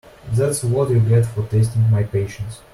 That’s what you get for testing my patience.